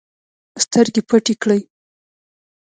سترګې پټې کړې